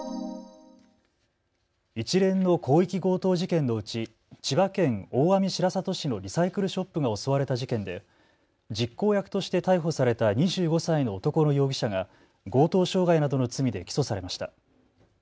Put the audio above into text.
一連の広域強盗事件のうち千葉県大網白里市のリサイクルショップが襲われた事件で実行役として逮捕された２５歳の男の容疑者が強盗傷害などの罪で起訴されました。